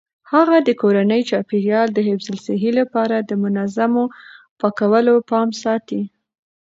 هغې د کورني چاپیریال د حفظ الصحې لپاره د منظمو پاکولو پام ساتي.